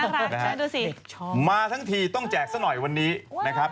น่ารักช่วยดูสิชอบมาทั้งทีต้องแจกซะหน่อยวันนี้นะครับ